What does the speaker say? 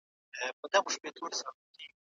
موږ بايد د هر ډول فکري جمود مخه ونيسو.